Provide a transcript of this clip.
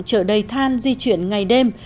chở đầy than di chuyển ngày đêm